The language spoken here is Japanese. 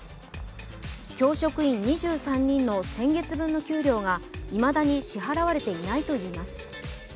教職員２３人の先月分の給料がいまだに支払われていないといいます。